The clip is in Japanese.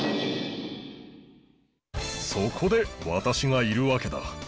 そこでわたしがいるわけだ！